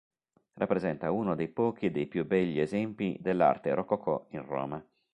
Rappresenta uno dei pochi e dei più begli esempi dell'arte rococò in Roma.